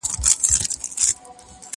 اوس پير شرميږي